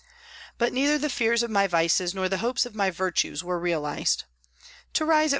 But neither the fears of my vices nor the hopes of my virtues were realised. To rise at 5.